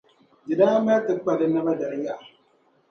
di daa mali ti kpa di naba dali yaha.